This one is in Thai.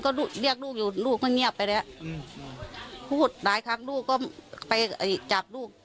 ก็เรียกลูกอยู่ลูกก็เงียบไปแล้วอืมพูดหลายครั้งลูกก็ไปจับลูก